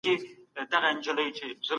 تاسو باید د سافټویر انجینري اصول په یاد ولرئ.